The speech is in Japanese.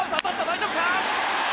大丈夫か？